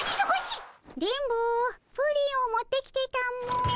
電ボプリンを持ってきてたも。